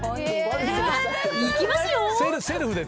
では、いきますよ。